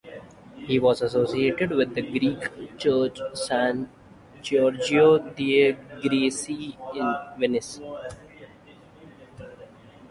He was associated with the Greek church San Giorgio dei Greci in Venice.